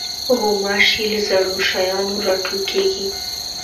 غوماشې له زړو شیانو راټوکېږي.